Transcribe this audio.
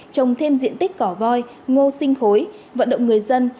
trồng thêm diện tích cỏ voi ngô sinh khối vận động người dân